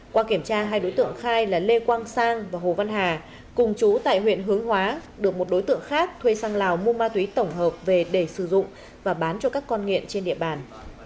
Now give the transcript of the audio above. qua kiểm tra hai đối tượng khai là lê quang sang và hồ văn hà cùng chú tại huyện hướng hóa được một đối tượng khác thuê sang lào mua ma túy tổng hợp về để sử dụng và bán cho các con nghiện trên địa bàn